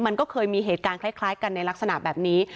มันก็เคยมีเหตุการณ์คล้ายกันในลักษณะแบบนี้